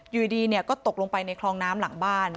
อยู่ดีก็ตกลงไปในคลองน้ำหลังบ้าน